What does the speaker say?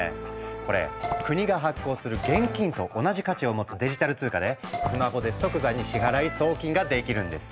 これ国が発行する現金と同じ価値を持つデジタル通貨でスマホで即座に支払い・送金ができるんです。